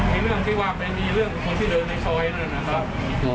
มีเรื่องที่ว่าไปมีเรื่องกับคนที่เดินในซอยนั่นนะครับ